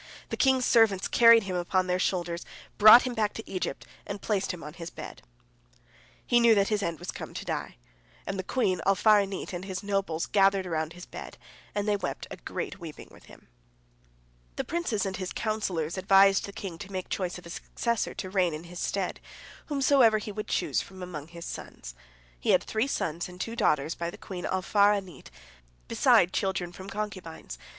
The king's servants carried him upon their shoulders, brought him back to Egypt, and placed him on his bed. He knew that his end was come to die, and the queen Alfar'anit and his nobles gathered about his bed, and they wept a great weeping with him. The princes and his counsellors advised the king to make choice of a successor, to reign in his stead, whomsoever he would choose from among his sons. He had three sons and two daughters by the queen Alfar'anit, beside children from concubines.